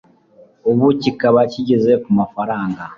ubu kikaba kigeze ku mafaranga